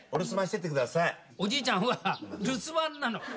おじいちゃんは留守番なの。